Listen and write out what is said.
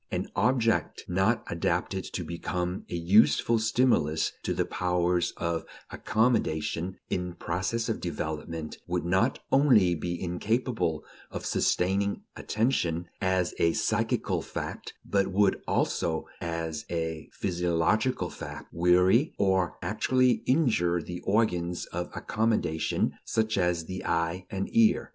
An object not adapted to become a useful stimulus to the powers of accommodation in process of development would not only be incapable of sustaining attention as a psychical fact, but would also, as a physiological fact, weary or actually injure the organs of accommodation such as the eye and ear.